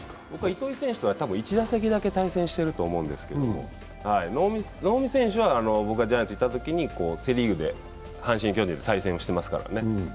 糸井選手とはたぶん１打席だけ対戦していると思うんですけども、能見選手は僕がジャイアンツにいたときにセ・リーグで阪神×巨人で対戦をしてますからね。